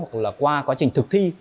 hoặc là qua quá trình thực thi